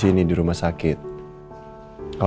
cukup sono paham ya